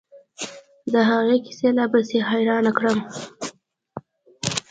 د هغه کيسې لا پسې حيران کړم.